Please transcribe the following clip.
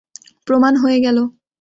প্রমাণ হয়ে গেলো।